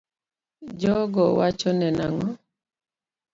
Jogo wachone nango ?